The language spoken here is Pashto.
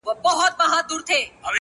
د ښایستونو خدایه سر ټيټول تاته نه وه،